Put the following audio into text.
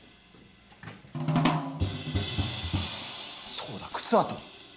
そうだ靴跡。